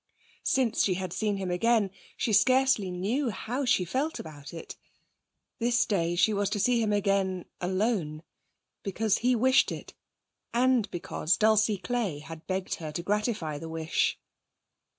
Since she had seen him again she scarcely knew how she felt about it. This day she was to see him again alone, because he wished it, and because Dulcie Clay had begged her to gratify the wish.